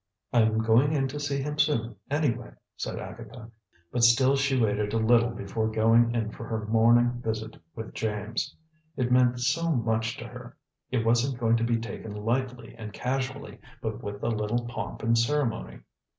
"I'm going in to see him soon, anyway," said Agatha. But still she waited a little before going in for her morning visit with James. It meant so much to her! It wasn't to be taken lightly and casually, but with a little pomp and ceremony.